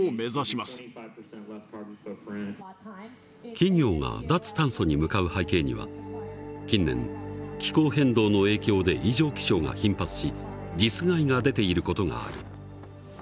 企業が脱炭素に向かう背景には近年気候変動の影響で異常気象が頻発し実害が出ている事がある。